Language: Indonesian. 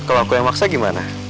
kalau aku yang maksa gimana